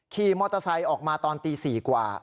ขี่มอเตอร์ไซค์ออกมาตอนตี๔กว่า